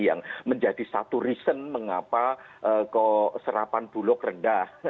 yang menjadi satu reason mengapa serapan bulog rendah